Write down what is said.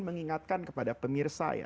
mengingatkan kepada pemirsa ya